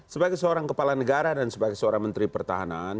sebagai seorang kepala negara dan sebagai seorang menteri pertahanan